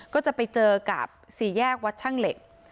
ก็จะไปเจอกับสี่แยกวัดช่างเหล็ก